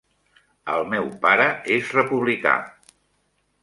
El meu pare és republicà.